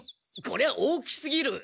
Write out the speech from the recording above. こりゃ大きすぎる。